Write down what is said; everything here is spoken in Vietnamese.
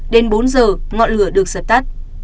đến bốn giờ ngọn lửa được dập tắt